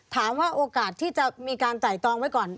ถามว่าโอกาสที่จะมีการไต่ตองไว้ก่อน